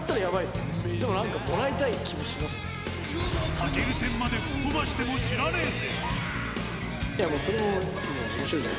武尊戦まで吹っ飛ばしても知らねえぜ。